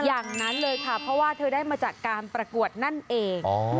อย่างนั้นเลยค่ะเพราะว่าเธอได้มาจากการประกวดนั่นเอง